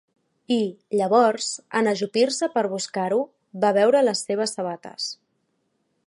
I, llavors, en ajupir-se per buscar-ho, va veure les seves sabates.